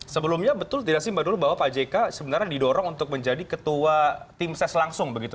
sebelumnya betul tidak sih mbak dulu bahwa pak jk sebenarnya didorong untuk menjadi ketua tim ses langsung begitu